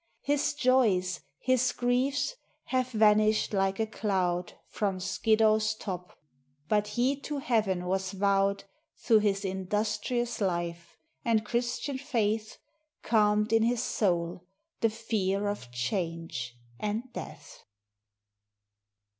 His joys, his griefs, have vanished like a cloud From Skiddaw's top ; but he to heaven was vowed Through his industrious life, and Christian faith Calmed in his soul the fear of change and death.